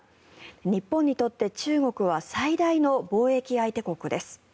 日本にとって中国は最大の貿易相手国です。